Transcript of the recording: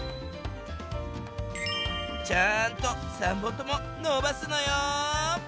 ちゃんと三本とものばすのよ！